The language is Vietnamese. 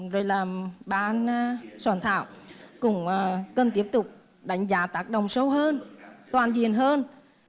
rồi là ban soạn thảo cũng cần tiếp tục đánh giá tác động sâu hơn toàn diện hơn